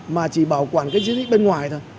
mà chỉ bảo quản cái di tích bên ngoài thôi